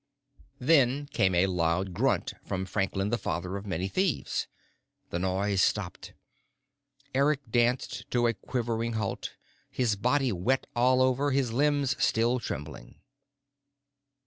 Then came a loud grunt from Franklin the Father of Many Thieves. The noise stopped. Eric danced to a quivering halt, his body wet all over, his limbs still trembling.